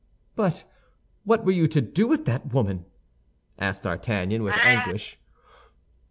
"But what were you to do with that woman?" asked D'Artagnan, with anguish.